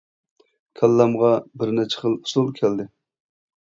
كاللامغا بىر نەچچە خىل ئۇسۇل كەلدى.